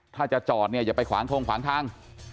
ถ้าจะจอดเนี่ยอย่าไปขวางทงขวางทาง